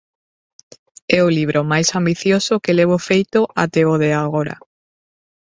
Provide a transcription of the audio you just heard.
É o libro máis ambicioso que levo feito até o de agora.